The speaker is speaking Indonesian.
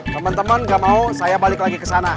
temen temen gak mau saya balik lagi kesana